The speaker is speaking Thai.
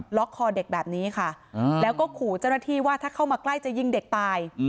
ล็อกคอเด็กแบบนี้ค่ะแล้วก็ขู่เจ้าหน้าที่ว่าถ้าเข้ามาใกล้จะยิงเด็กตาย